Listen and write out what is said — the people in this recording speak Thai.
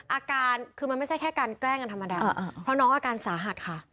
อาการคือมันไม่ใช่แค่การแกล้งกันธรรมดาเพราะน้องอาการสาหัสค่ะ